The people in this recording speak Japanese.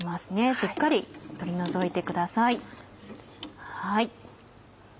しっかり取り除いてください。